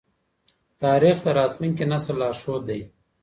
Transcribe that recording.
تاریخ د راتلونکي نسل لارښود دی.